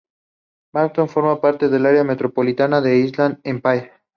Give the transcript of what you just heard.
Barstow forma parte del área metropolitana de Inland Empire.